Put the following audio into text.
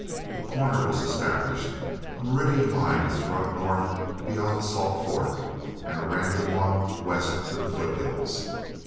A corner was established, a meridian line was run north beyond the Salt Fork and a random one west to the foothills.